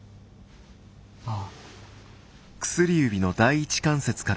ああ。